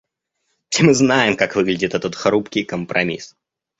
Все мы знаем, как выглядит этот хрупкий компромисс.